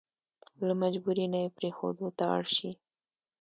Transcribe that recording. له مجبوري نه يې پرېښودو ته اړ شي.